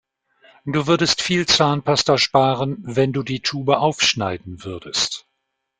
Du würdest viel Zahnpasta sparen, wenn du die Tube aufschneiden würdest.